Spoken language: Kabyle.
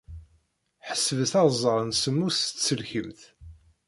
Ḥesbet aẓar n semmus s tselkimt.